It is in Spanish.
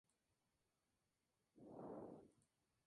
La parroquia está situada en la parte oeste del municipio.